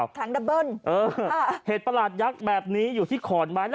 ขังดะเบิ้ลเอะเห็นประหลาดยังแบบนี้อยู่ที่ขอนไม้